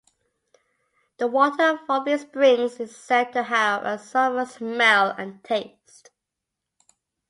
The water from these springs is said to have a sulfur smell and taste.